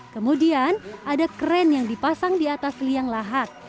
kemudian ada kren yang dipasang di atas liang lahat